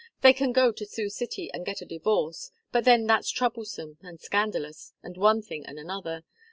They can go to Sioux City and get a divorce, but then that's troublesome and scandalous, and one thing and another.